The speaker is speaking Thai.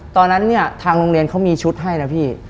ตอนนั้นเนี่ยทางโรงเรียนเขามีชุดให้นะพี่